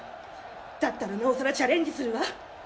「だったらなおさらチャレンジするわ」。